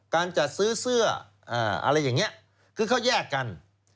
การจัดซื้อเสื้ออะไรอย่างนี้คือเขาแยกกัน